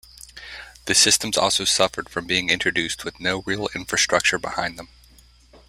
The systems also suffered from being introduced with no real infrastructure behind them.